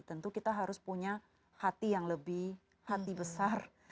tentu kita harus punya hati yang lebih hati besar